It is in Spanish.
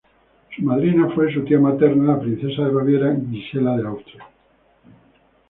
Su madrina fue su tía materna, la princesa de Baviera Gisela de Austria.